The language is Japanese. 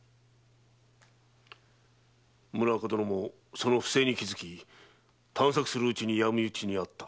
村岡殿もその不正に気付き探索するうちに闇討ちに遭った。